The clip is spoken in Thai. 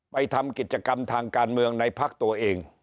ทำกิจกรรมทางการเมืองในพักตัวเอง